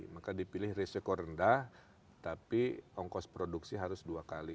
maka dipilih resiko rendah tapi ongkos produksi harus dua kali